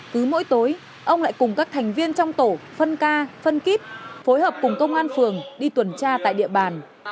cứ mỗi tối ông lại cùng các thành viên trong tổ phân ca phân kíp phối hợp cùng công an phường đi tuần tra tại địa bàn